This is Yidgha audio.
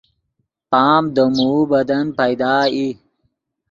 پام دے موؤ بدن پیدا ای